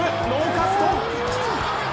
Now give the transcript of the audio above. ノーカット。